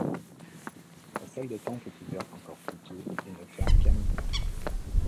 La salle d'attente est ouverte encore plus tôt et ne ferme qu'à minuit.